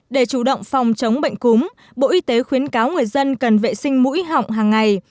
để chủ động phòng chống bệnh cúm bộ y tế khuyến cáo người dân cần vệ sinh mũi họng hàng ngày